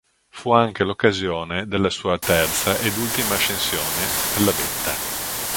Fu anche l'occasione della sua terza ed ultima ascensione alla vetta.